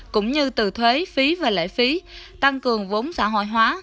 cũng như từ thuế phí và lệ phí tăng cường vốn xã hội hóa